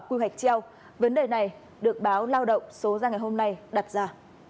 quy hoạch treo vấn đề này được báo lao động số ra ngày hôm nay đặt ra